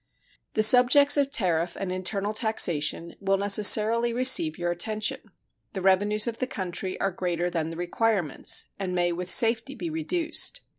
The subjects of tariff and internal taxation will necessarily receive your attention. The revenues of the country are greater than the requirements, and may with safety be reduced.